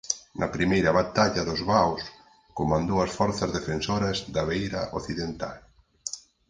Na primeira batalla dos vaos comandou as forzas defensoras da beira occidental.